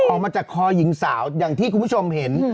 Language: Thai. ออกมาจากคอหญิงสาวอย่างที่คุณผู้ชมเห็น